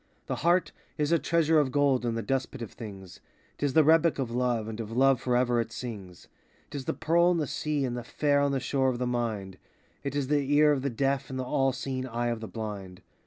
The heart is a treasure of gold in the dust pit of things; 'T is the rebec of love and of love forever it sings; 'T is the pearl in the sea and the phare on the shore of the Mind; 'T is the ear of the deaf and the all seeing eye of the blind.